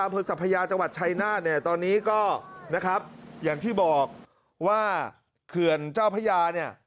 อำเภอสัพยาจังหวัดชัยนาธเนี่ยตอนนี้ก็นะครับอย่างที่บอกว่าเขื่อนเจ้าพระยาเนี่ย